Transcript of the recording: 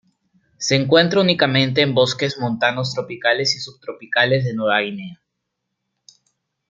Se encuentra únicamente en bosques montanos tropicales y subtropicales de Nueva Guinea.